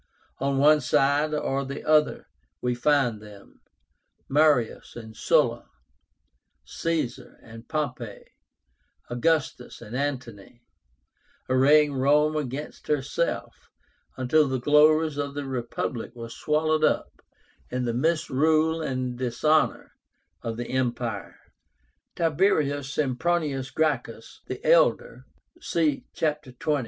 On one side or the other we find them, MARIUS and SULLA, CAESAR and POMPEY, AUGUSTUS and ANTONY arraying Rome against herself, until the glories of the Republic were swallowed up in the misrule and dishonor of the Empire. Tiberius Sempronius Gracchus the elder (see Chapter XX.)